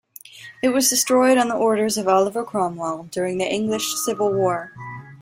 It was destroyed on the orders of Oliver Cromwell during the English Civil War.